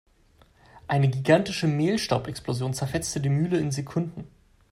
Eine gigantische Mehlstaubexplosion zerfetzte die Mühle in Sekunden.